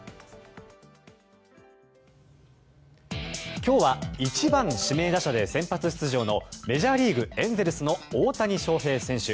今日は１番指名打者で先発出場のメジャーリーグ、エンゼルスの大谷翔平選手。